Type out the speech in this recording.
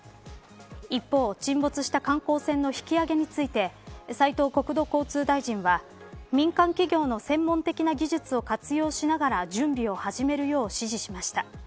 一方、沈没した観光船の引き揚げについて斉藤国土交通大臣は民間企業の専門的な技術を活用しながら準備を始めるよう指示しました。